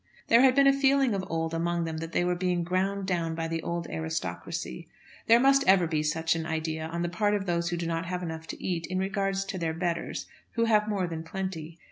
There had been a feeling of old among them that they were being ground down by the old aristocracy. There must ever be such an idea on the part of those who do not have enough to eat in regard to their betters, who have more than plenty.